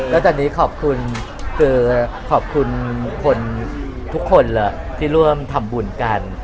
แล้วตอนนี้ขอบคุณทุกคนที่เริ่มทำบุญกัน